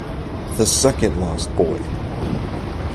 The second Lostboy!